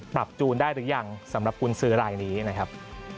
จูนได้หรือยังสำหรับกุญซื้อรายนี้นะครับ